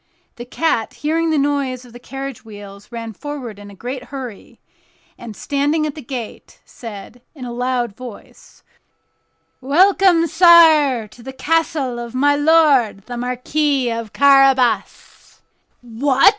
The cat, hearing the noise of the carriage wheels, ran forward in a great hurry, and, standing at the gate, said, in a loud voice: "Welcome, sire, to the castle of my lord the Marquis of Carabas." "What!"